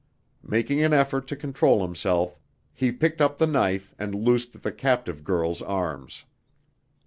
Making an effort to control himself he picked up the knife and loosed the captive girl's arms.